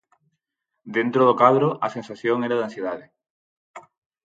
Dentro do cadro, a sensación era de ansiedade.